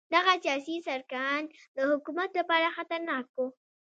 دغه سیاسي سرکښان د حکومت لپاره خطرناک وو.